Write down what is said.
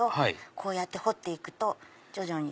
こうやって彫っていくと徐々に。